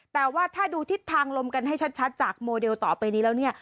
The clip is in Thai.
แต่ว่าถ้าดูทิศทางลมกันให้ชัดจากโมเดลต่อไปนี้แล้วเนี่ย